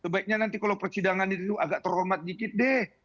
sebaiknya nanti kalau persidangan itu agak terhormat dikit deh